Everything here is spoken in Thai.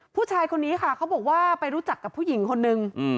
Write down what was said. ผู้ชายคนนี้ค่ะเขาบอกว่าไปรู้จักกับผู้หญิงคนนึง